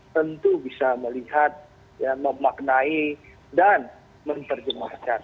tentu bisa melihat memaknai dan menerjemahkan